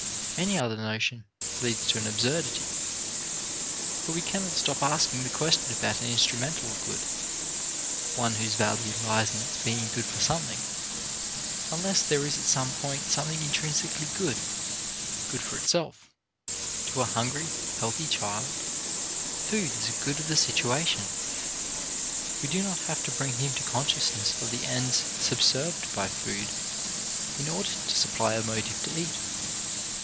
Any other notion leads to an absurdity. For we cannot stop asking the question about an instrumental good, one whose value lies in its being good for something, unless there is at some point something intrinsically good, good for itself. To a hungry, healthy child, food is a good of the situation; we do not have to bring him to consciousness of the ends subserved by food in order to supply a motive to eat.